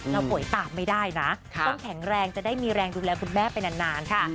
ป่วยตามไม่ได้นะต้องแข็งแรงจะได้มีแรงดูแลคุณแม่ไปนานค่ะ